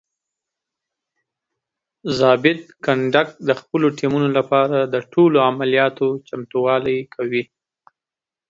ضابط کنډک د خپلو ټیمونو لپاره د ټولو عملیاتو چمتووالی کوي.